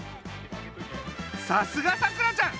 さすがさくらちゃん！